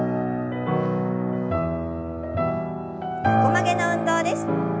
横曲げの運動です。